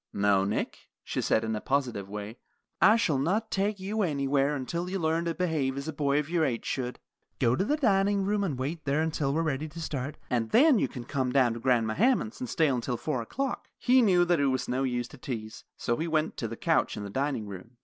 "No, Nick," she said, in a positive way, "I shall not take you anywhere until you learn to behave as a boy of your age should. Go to the dining room and wait there until we are ready to start, and then you can come down to Grandma Hammond's and stay until four o'clock." He knew that it was no use to tease, so he went to the couch in the dining room.